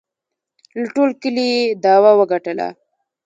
له ټول کلي یې دعوه وگټله